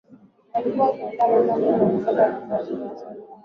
Walikuwa wakiandaa matamasha ya kutafuta vipaji vya wasanii wapya